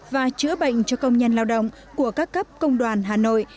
và chữa bệnh cho công nhân lao động của các cấp công đoàn hà nội